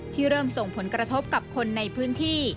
เริ่มส่งผลกระทบกับคนในพื้นที่